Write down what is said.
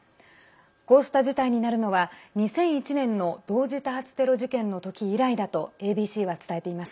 こうした事態になるのは２００１年の同時多発テロ事件の時以来だとＡＢＣは伝えています。